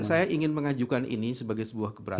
saya ingin mengajukan ini sebagai sebuah keberatan